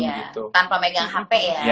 gitu tanpa megang hp ya ya